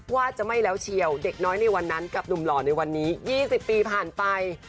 ว่าจะไม่แล้วเชียวเด็กน้อยในวันนั้นกับหนุ่มหล่อในวันนี้๒๐ปีผ่านไป